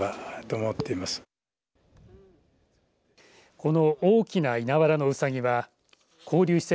この大きな稲わらのうさぎは交流施設